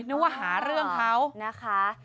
นึกว่าหาเรื่องเขานะคะ